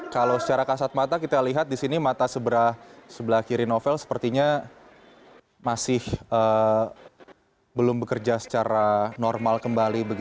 kalau secara kasat mata kita lihat di sini mata sebelah kiri novel sepertinya masih belum bekerja secara normal kembali